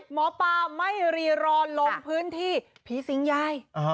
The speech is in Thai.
หมอปลาไม่รีรอลงพื้นที่ผีสิงยาย